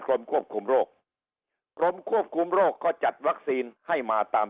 ควบคุมโรคกรมควบคุมโรคก็จัดวัคซีนให้มาตาม